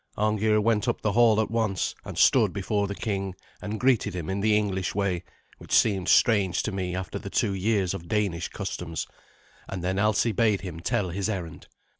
Arngeir went up the hall at once, and stood before the king, and greeted him in the English way, which seemed strange to me after the two years of Danish customs; and then Alsi bade him tell his errand.